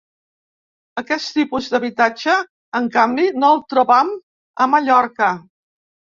Aquest tipus d'habitatge, en canvi, no el trobam a Mallorca.